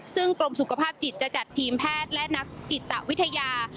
ซึ่งกรมสุขภาพจิตจะจัดทีมแพทย์และนักจิตวิทยา